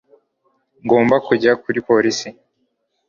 Ngomba kujya kuri polisi